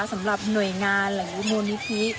สำหรับหน่วยงานหรือมูลนิธิ